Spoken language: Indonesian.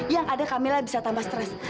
yang ada camilla bisa tambah stres